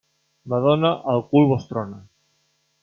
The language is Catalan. Madona, el cul vos trona.